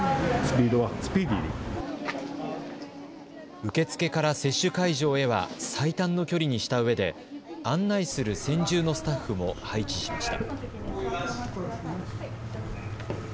受け付けから接種会場へは最短の距離にしたうえで案内する専従のスタッフも配置しました。